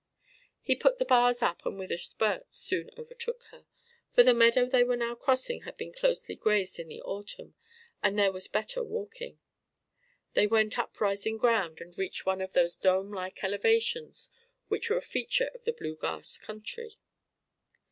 He put the bars up and with a spurt soon overtook her, for the meadow they were now crossing had been closely grazed in the autumn and there was better walking. They went up rising ground and reached one of those dome like elevations which are a feature of the blue grass country.